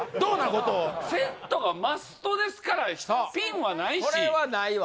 後藤セットがマストですからピンはないしこれはないわ